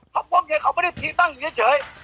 ก็พวกเค้าไม่ใช่ผิมตั้งอยู่เฉย